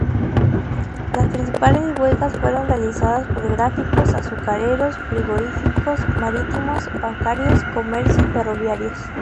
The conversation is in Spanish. Las principales huelgas fueron realizadas por gráficos, azucareros, frigoríficos, marítimos, bancarios, comercio y ferroviarios.